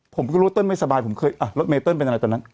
ผมก็รู้ว่าเติ้ลไม่สบายผมเคยอ่ะรถเมเติ้ลเป็นอะไรตอนนั้น